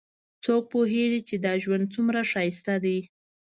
څوک پوهیږي چې دا ژوند څومره ښایسته ده